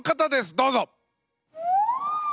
どうぞ。